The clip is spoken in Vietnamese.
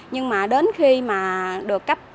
nhưng mà đến khi mà được cấp tiêu